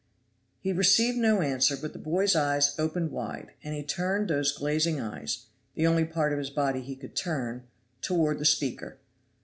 He received no answer; but the boy's eyes opened wide, and he turned those glazing eyes, the only part of his body he could turn, toward the speaker.